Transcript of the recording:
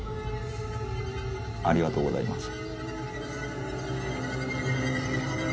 ありがとうございます。